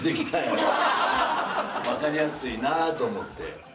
分かりやすいなと思って。